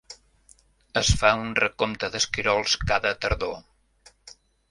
Es fa un recompte d'esquirols cada tardor.